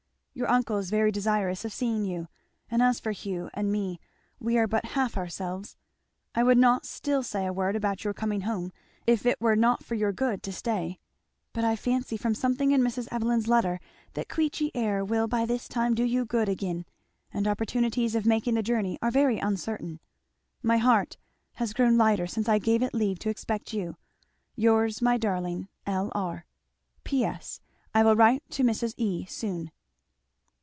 Your uncle is very desirous of seeing you; and as for Hugh and me we are but half ourselves. I would not still say a word about your coming home if it were for your good to stay; but I fancy from something in Mrs. Evelyn's letter that Queechy air will by this time do you good again; and opportunities of making the journey are very uncertain. My heart has grown lighter since I gave it leave to expect you. Yours, my darling, L. R. "P.S. I will write to Mrs. E. soon."